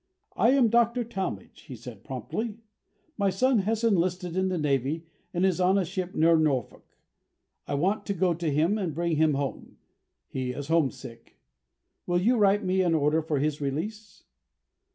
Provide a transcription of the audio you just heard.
"I am Dr. Talmage," he said promptly; "my son has enlisted in the Navy and is on a ship near Norfolk. I want to go to him and bring him home. He is homesick. Will you write me an order for his release?"